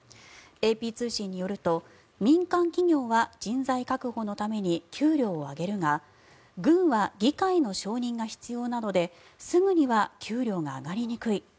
ＡＰ通信によると民間企業は人材確保のために給料を上げるが軍は議会の承認が必要なのですぐには給料が上がりにくい。